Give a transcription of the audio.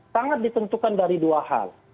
sangat ditentukan dari dua hal